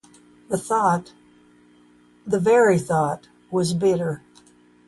The very thought was bitter.